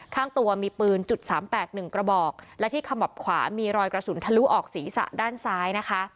ข้างตัวมีปืน๓๘๑กระบอกและที่ขมับขวามีรอยกระสุนทะลุออกศรีษะด้านซ้าย